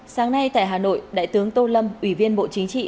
sáng nay tại hà nội đại tướng tô lâm ủy viên bộ chính trị